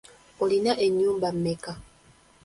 Olina ennyumba mmeka?